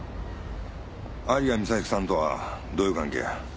有賀美咲さんとはどういう関係や？